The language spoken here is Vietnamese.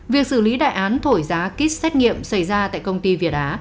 việc xử lý đại án thổi giá kit xét nghiệm xảy ra tại công ty việt á